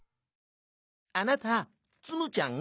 「あなたツムちゃん？」。